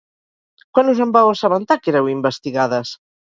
Quan us en vau assabentar, que éreu investigades?